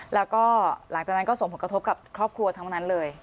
แล้วก็หลังจากนั้นก็ส่งผลกระทบกับครอบครัวทั้งนั้นเลย